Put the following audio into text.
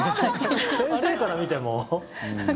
先生から見ても。